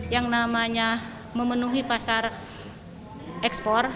yang namanya memenuhi pasar ekspor